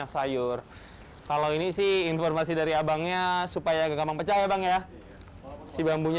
sayur kalau ini sih informasi dari abangnya supaya gampang pecah ya bang ya si bambunya